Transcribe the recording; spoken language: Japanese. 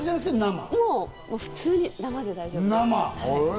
普通に生で大丈夫です。